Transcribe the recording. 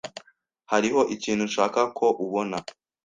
Hariho ikintu nshaka ko ubona.